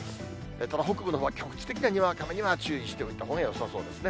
ただ北部のほうは、局地的なにわか雨には注意しておいたほうがよさそうですね。